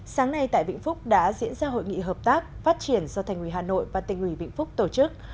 sáng nay tại vĩnh phúc đã diễn ra hội nghị hợp tác phát triển do thành ủy hà nội và tỉnh ủy vĩnh phúc tổ chức